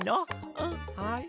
うんはい。